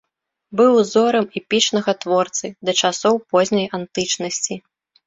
Быў узорам эпічнага творцы да часоў позняй антычнасці.